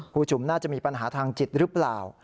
จุ๋มน่าจะมีปัญหาทางจิตหรือเปล่า